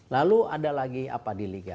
lalu ada lagi apa di liga